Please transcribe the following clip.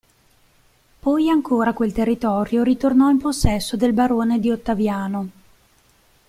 Poi ancora quel territorio ritornò in possesso del barone di Ottaviano.